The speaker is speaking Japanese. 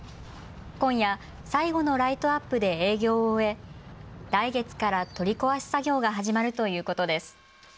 今夜、最後のライトアップで営業を終え、来月から取り壊し作業が始まるということです。